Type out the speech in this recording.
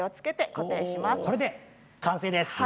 これで完成です。